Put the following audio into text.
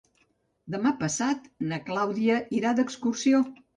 Demà passat na Clàudia irà d'excursió.